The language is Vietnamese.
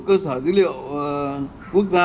cơ sở dữ liệu quốc gia